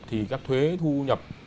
thì các thuế thu nhập